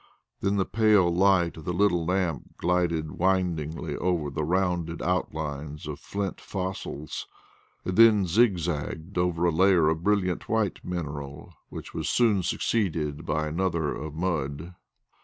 Then the pale light of the little lamp glided windingly over the rounded outlines of flint fossils. It then zigzagged over a layer of brilliant white mineral, which was soon succeeded by another of mud.